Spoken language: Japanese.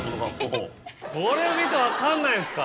これ見て分かんないんですか？